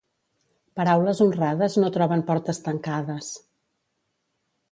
Paraules honrades no troben portes tancades.